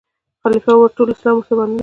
خلیفه وو ټول اسلام ته وو منلی